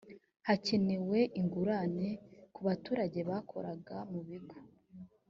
hakenewe ingurane ku baturage bakoraga mu bigo